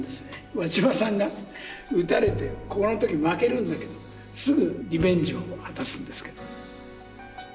輪島さんが打たれてこの時負けるんだけどすぐリベンジを果たすんですけど。